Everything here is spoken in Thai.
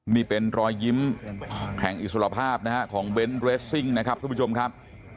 นี่เป็นรอยยิ้มแห่งอิสรภาพนะฮะของเบนท์เรสซิ่งนะครับทุกผู้ชมครับ